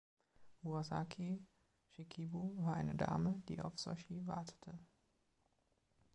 Murasaki Shikibu war eine Dame, die auf Shoshi wartete.